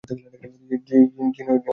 যিনি টাইট কাপড় পরতেন?